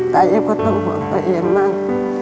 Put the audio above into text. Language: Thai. ตาเอฟก็เป็นพ่อเป็นแม่มาก